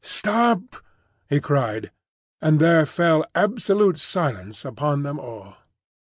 "Stop!" he cried, and there fell absolute silence upon them all.